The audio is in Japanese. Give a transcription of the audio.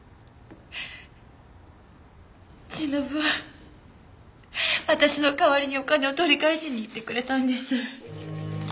しのぶは私の代わりにお金を取り返しに行ってくれたんです。